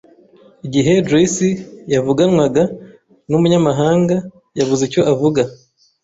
Igihe Joyci yavuganwaga n’umunyamahanga, yabuze icyo avuga